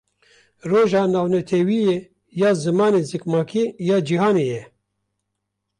Roja Navneteweyî ya Zimanê Zikmakî Ya Cîhanê ye.